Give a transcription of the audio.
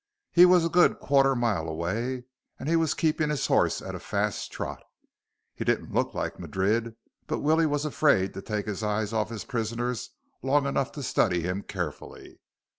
He was a good quarter mile away, and he was keeping his horse at a fast trot. He didn't look like Madrid, but Willie was afraid to take his eyes off his prisoners long enough to study him carefully.